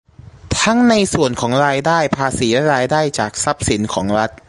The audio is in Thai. ทั้งในส่วนของรายได้ภาษีและรายได้จากทรัพย์สินของรัฐ